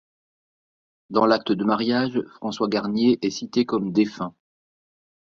Dans l'acte de mariage, François Garnier est cité comme défunt.